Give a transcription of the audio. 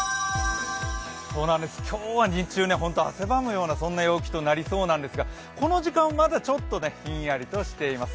そうなんです、今日は日中、汗ばむような陽気となりそうなんですが、この時間、まだちょっとひんやりとしています。